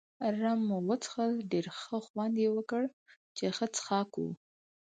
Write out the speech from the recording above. رم مو وڅښل، ډېر ښه خوند يې وکړ، چې ښه څښاک وو.